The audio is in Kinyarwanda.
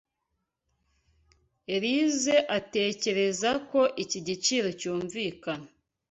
Elyse atekereza ko iki giciro cyumvikana.